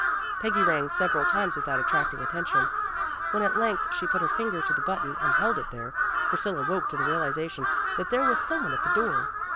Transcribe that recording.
Peggy rang several times without attracting attention. When at length she put her finger to the button and held it there, Priscilla woke to the realization that there was some one at the door.